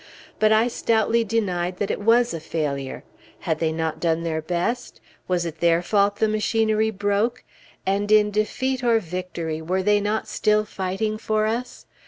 But I stoutly denied that it was a failure. Had they not done their best? Was it their fault the machinery broke? And in defeat or victory, were they not still fighting for us?